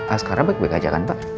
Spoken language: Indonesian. ah sekarang baik baik aja kan pak